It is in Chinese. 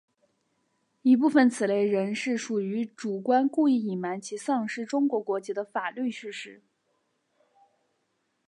一部分此类人士属于主观故意隐瞒其丧失中国国籍的法律事实。